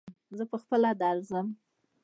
زه پهخپله درځم.